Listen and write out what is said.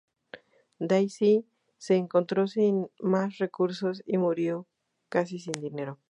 Daisy se encontró sin más recursos y murió casi sin dinero.